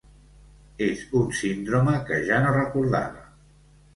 És un síndrome que ja no recordava.